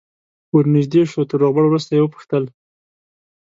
ور نژدې شو تر روغبړ وروسته یې وپوښتل.